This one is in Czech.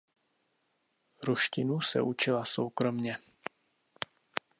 Ruštinu se učila soukromě.